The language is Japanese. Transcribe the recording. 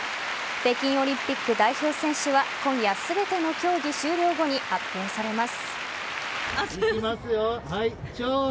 北京オリンピック代表選手は今夜、全ての競技終了後に発表されます。